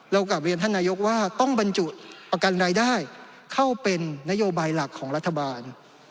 กลับเรียนท่านนายกว่าต้องบรรจุประกันรายได้เข้าเป็นนโยบายหลักของรัฐบาล